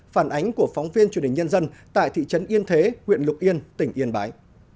phản ánh của phóng viên truyền hình nhân dân tại thị trấn yên thế huyện lục yên tỉnh yên bái